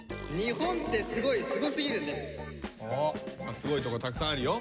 すごいとこたくさんあるよ。